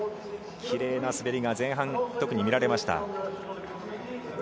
きれいな滑りが前半で特に見られました。